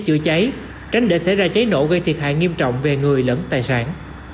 chữa cháy tránh để xảy ra cháy nổ gây thiệt hại nghiêm trọng về người lẫn tài sản